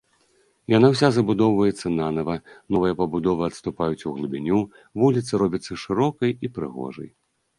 Яна ўся забудоўваецца нанава, новыя пабудовы адступаюць углыбіню, вуліца робіцца шырокай і прыгожай.